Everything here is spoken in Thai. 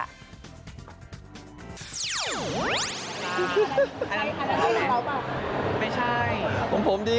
อันนี้คำถามอะไร